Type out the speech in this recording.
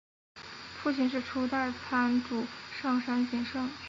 父亲是初代藩主上杉景胜。